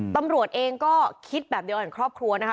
ตำรวจเองก็คิดแบบเดียวกันครอบครัวนะคะ